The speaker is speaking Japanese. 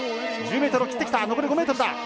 １０ｍを切ってきた、残り５ｍだ。